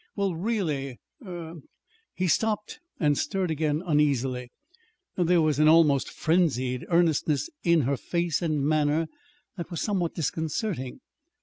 "Well, really er " He stopped and stirred again uneasily there was an almost frenzied earnestness in her face and manner that was somewhat disconcerting.